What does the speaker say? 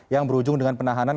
yang berujung dengan penahanan